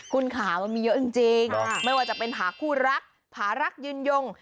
คุณขาวมันมีเยอะจริงไม่ว่าจะเป็นผาคู่รักผารักยืนยง